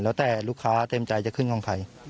แล้วแต่ลูกค้าเต็มใจจะขึ้นของใคร